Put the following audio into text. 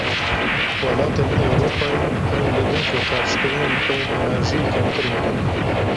Welatên Ewropayê hewl didin ku xerckirinên xwe yên enerjiyê kêmtir bikin.